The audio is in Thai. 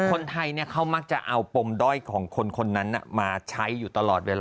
คนไทยเขามักจะเอาปมด้อยของคนนั้นมาใช้อยู่ตลอดเวลา